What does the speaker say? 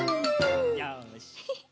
よし！